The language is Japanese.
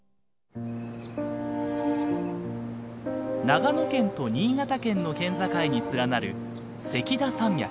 長野県と新潟県の県境に連なる関田山脈。